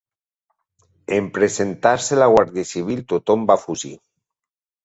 En presentar-se la guàrdia civil, tothom va fugir.